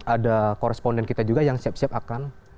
ada koresponden kita juga yang siap siap akan